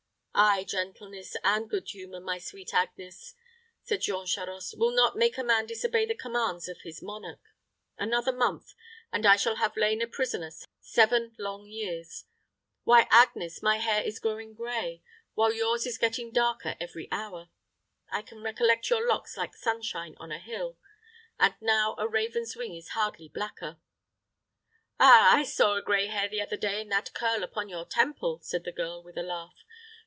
"Ay, gentleness and good humor, my sweet Agnes," said Jean Charost, "will not make a man disobey the commands of his monarch. Another month, and I shall have lain a prisoner seven long years. Why, Agnes, my hair is growing gray, while yours is getting darker every hour. I can recollect your locks like sunshine on a hill, and now a raven's wing is hardly blacker." "Ah, I saw a gray hair the other day in that curl upon your temple," said the girl, with a laugh.